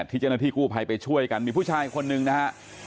ที่เจ้าหน้าที่กู้ภัยไปช่วยกันมีผู้ชายคนหนึ่งนะฮะ